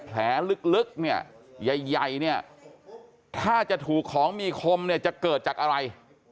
แผลลึกเนี่ยใหญ่เนี่ยถ้าจะถูกของมีคมเนี่ยจะเกิดจากอะไร